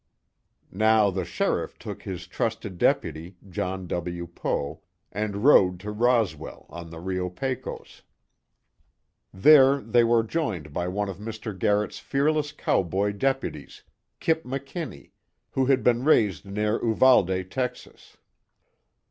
Now the sheriff took his trusted deputy, John W. Poe, and rode to Roswell, on the Rio Pecos. There they were joined by one of Mr. Garret's fearless cowboy deputies, "Kip" McKinnie, who had been raised near Uvalde, Texas.